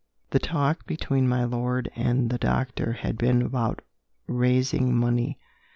The talk between my lord and the doctor had been about raising money.